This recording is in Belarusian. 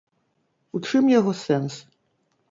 У чым яго сэнс?